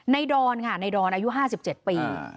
ในดรไงในดรอายุ๕๗ปี